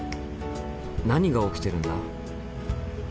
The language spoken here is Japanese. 何が起きてるんだ？